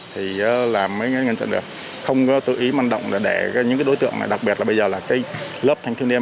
thì là mới ngăn chặn được không tự ý măn động để những đối tượng này đặc biệt là bây giờ là lớp thanh thiên niên